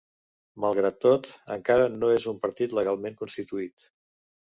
Malgrat tot, encara no és un partit legalment constituït.